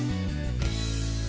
nếu các tỉnh